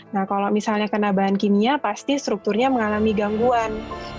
nah kalau misalnya kena bahan kimia pasti strukturnya mengalami gangguan